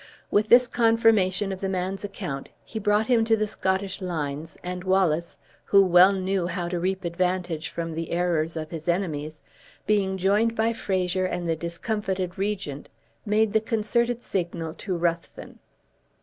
With this confirmation of the man's account, he brought him to the Scottish lines; and Wallace, who well knew how to reap advantage from the errors of his enemies, being joined by Fraser and the discomfited regent, made the concerted signal to Ruthven.